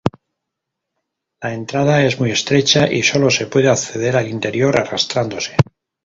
La entrada es muy estrecha, y solo se puede acceder al interior arrastrándose.